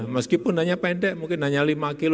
meskipun hanya pendek mungkin hanya lima kg